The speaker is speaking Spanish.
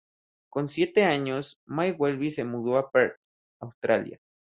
Con siete años, May-Welby se mudó a Perth, Australia.